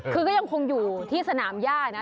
คือก็ยังคงอยู่ที่สนามย่านะ